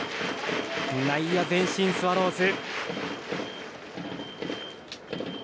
内野前進、スワローズ。